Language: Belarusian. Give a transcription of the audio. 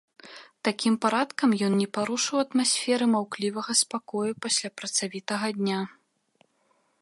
Такім парадкам ён не парушыў атмасферы маўклівага спакою пасля працавітага дня.